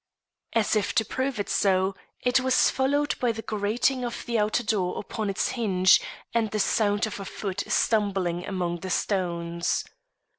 As if to prove it so, it was followed by the grating of the outer door upon its hinge, and the sound of a foot stumbling among stones.